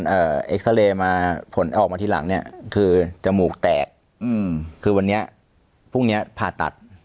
เอ่อเอ็กซาเรย์มาผลออกมาทีหลังเนี้ยคือจมูกแตกอืมคือวันนี้พรุ่งเนี้ยผ่าตัด